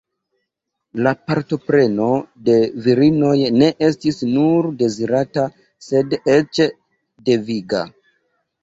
La partopreno de virinoj ne estis nur dezirata sed eĉ deviga.